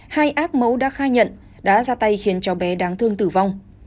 hai ác mẫu đã khai nhận đã ra tay khiến cháu bé đáng thương tử vong